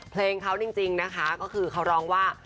เพลงเขาจริงนะคะก็คือเขาร้องว่า